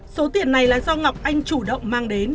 số tiền này là do ngọc anh chủ động mang đến